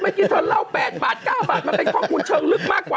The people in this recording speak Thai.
เมื่อกี้เธอเล่า๘บาท๙บาทมันเป็นข้อมูลเชิงลึกมากกว่า